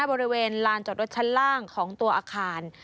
บริเวณลานจอดรถชั้นล่างของตัวอาคาร